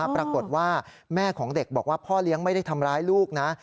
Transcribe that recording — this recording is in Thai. ปรากฏว่าแม่ของเด็กบอกว่าพ่อเลี้ยงไม่ได้ทำร้ายลูกนะ